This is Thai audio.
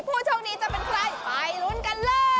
ผู้โชคดีจะเป็นใครไปลุ้นกันเลย